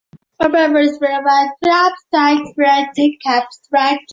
羽状脉斜发自中脉。